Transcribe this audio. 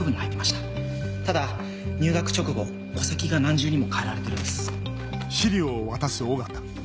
ただ入学直後戸籍が何重にも変えられてるんです。